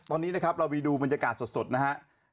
ตอนนี้นะครับเราไปดูบรรยากาศสดนะครับ